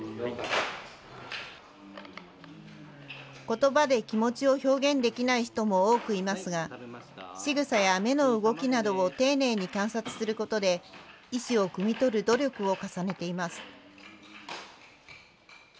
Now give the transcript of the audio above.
ことばで気持ちを表現できない人も多くいますがしぐさや目の動きなどを丁寧に観察することで意思をくみ取る努力を重ねています。